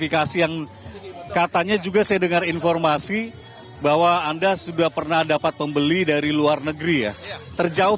dikasih yang katanya juga saya dengar informasi bahwa anda sudah pernah dapat pembeli dari luar negeri ya terjauh